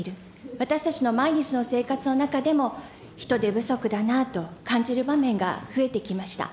私たちの毎日の生活の中でも、人手不足だなと感じる場面が増えてきました。